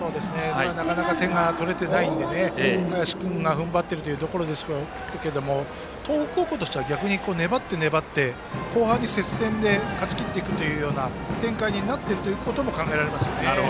なかなか点が取れていないので林君が踏ん張っているというところですが東北高校としては逆に、粘って粘って後半に接戦で勝ちきっていくという展開になっていくということも考えられますよね。